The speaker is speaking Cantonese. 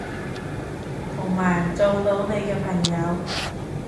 同埋做到你嘅朋友